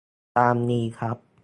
ตามนี้ครับ